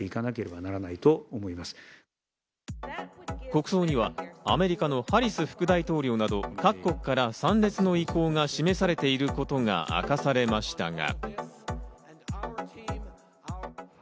国葬にはアメリカのハリス副大統領など、各国から参列の意向が示されていることが明かされましたが。